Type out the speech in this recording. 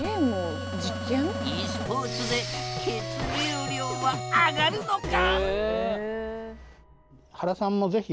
ｅスポーツで血流量は上がるのか？